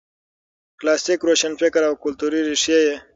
کلاسیک روشنفکر او کلتوري ريښې یې